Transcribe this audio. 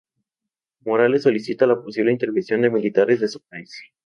Morales solicita la posible intervención de militares de su país.